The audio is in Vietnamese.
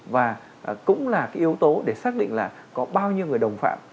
và cũng là cái yếu tố để xác định là có bao nhiêu người đồng phạm